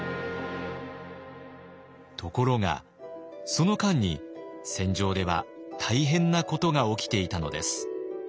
ところがその間に戦場では大変なことが起きていたのです。